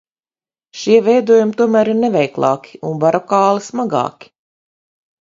Šie veidojumi tomēr ir neveiklāki un barokāli smagāki.